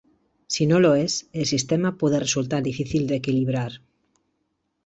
Si no lo es, el sistema puede resultar difícil de equilibrar.